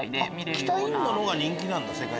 北インドのほうが人気なんだ。